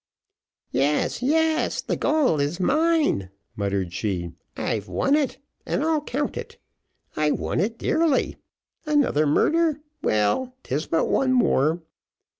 "Yes, yes, the gold is mine," muttered she "I've won it, and I'll count it. I won it dearly; another murder well, 'tis but one more.